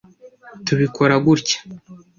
tubikora gutya.